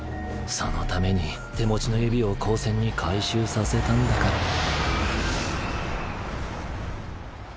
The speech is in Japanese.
そのために手持ちの指を高専に回収させたんだから。